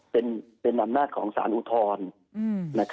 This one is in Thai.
เป็นอำนาจของสารอุทธรณ์